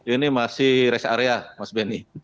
ini masih rest area mas benny